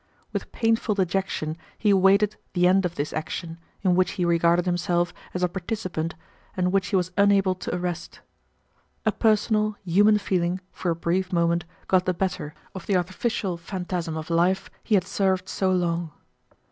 With painful dejection he awaited the end of this action, in which he regarded himself as a participant and which he was unable to arrest. A personal, human feeling for a brief moment got the better of the artificial phantasm of life he had served so long.